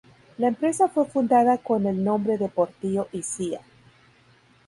La empresa fue fundada con el nombre de "Portillo y Cía.